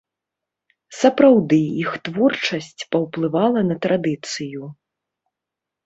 Сапраўды, іх творчасць паўплывала на традыцыю.